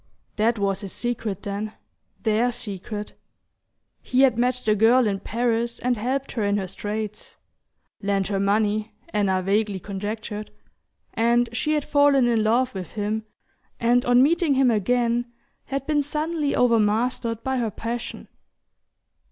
That was his secret, then, THEIR secret: he had met the girl in Paris and helped her in her straits lent her money, Anna vaguely conjectured and she had fallen in love with him, and on meeting him again had been suddenly overmastered by her passion.